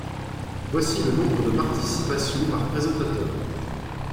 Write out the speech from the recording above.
Voici le nombre de participations par présentateur.